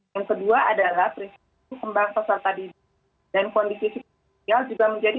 yang kedua adalah prinsip kembang peserta didik dan kondisi fisikal juga menjadi